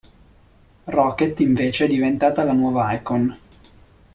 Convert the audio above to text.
Rocket invece è diventata la nuova Icon.